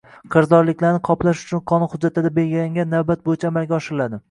Qarzdorliklarni qoplash qonun hujjatlarida belgilangan navbat bo‘yicha amalga oshirilading